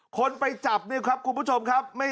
คนไปจับเนี่ยครับคุณผู้ชมครับ